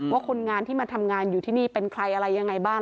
คนงานที่มาทำงานอยู่ที่นี่เป็นใครอะไรยังไงบ้าง